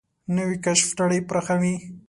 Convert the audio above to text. نوې کشف نړۍ پراخوي